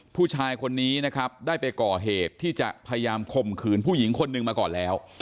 ผู้ชายคนนี้นะครับได้ไปก่อเหตุที่จะพยายามข่มขืนผู้หญิงคนหนึ่งมาก่อนแล้ว